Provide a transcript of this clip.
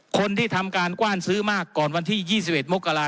คนที่ทำการกว้านซื้อมากก่อนวันที่๒๑มกราศ